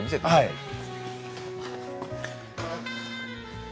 はい。